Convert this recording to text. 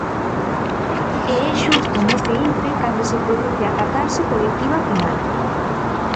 E é xusto nese intre cando se produce a catarse colectiva final.